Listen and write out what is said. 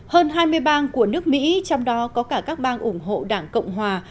hơn hai mươi bang của nước mỹ trong đó có cả các bang ủng hộ đảng cộng hòa